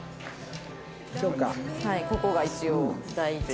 ここが一応第一。